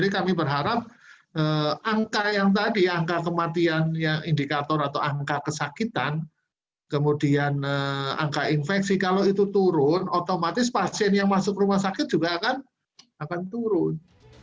kalau itu turun otomatis pasien yang masuk rumah sakit juga akan turun